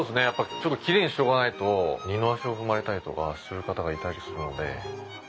やっぱりちょっときれいにしとかないと二の足を踏まれたりとかする方がいたりするので。